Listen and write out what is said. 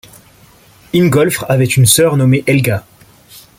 Ingólfr avait une sœur nommé Helga.